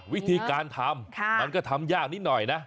วิธีการทำมันก็ทำยากนิดหน่อยนะ